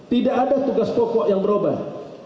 tidak ada tugas pokok yang berubah